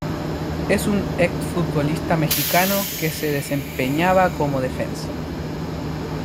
Es un exfutbolista mexicano que se desempeñaba como defensa.